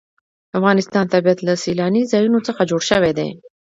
د افغانستان طبیعت له سیلاني ځایونو څخه جوړ شوی دی.